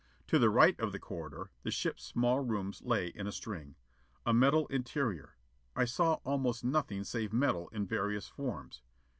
To the right of the corridor, the ship's small rooms lay in a string. A metal interior. I saw almost nothing save metal in various forms.